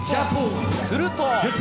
すると。